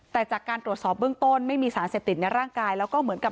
แต่จากการตรวจสอบเบื้องต้นไม่มีสารเสพติดในร่างกายแล้วก็เหมือนกับ